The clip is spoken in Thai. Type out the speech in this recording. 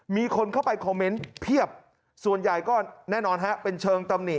มีคนเข้าไปคอมเมนต์เพียบส่วนใหญ่ก็แน่นอนฮะเป็นเชิงตำหนิ